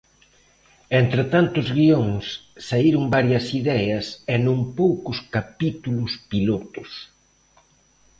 E entre tantos guións, saíron varias ideas e non poucos capítulos pilotos.